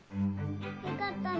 よかったね。